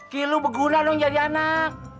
kan lo berguna dong jadi anak